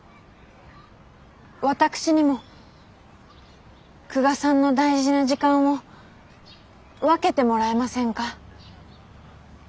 私にも久我さんの大事な時間を分けてもらえませんか？